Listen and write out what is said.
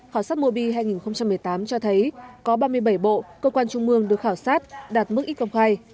khảo sát mùa bi hai nghìn một mươi tám cho thấy có ba mươi bảy bộ cơ quan trung ương được khảo sát đạt mức ít công khai